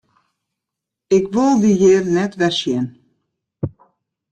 Ik wol dy hjir net wer sjen!